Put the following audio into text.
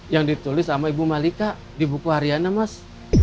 yang ditulis sama ibu malika di buku haryana mas